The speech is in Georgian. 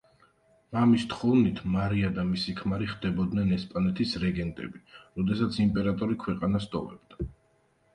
მამის თხოვნით მარია და მისი ქმარი ხდებოდნენ ესპანეთის რეგენტები, როდესაც იმპერატორი ქვეყანას ტოვებდა.